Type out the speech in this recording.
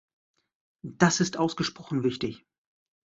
Das ist ausgesprochen wichtig.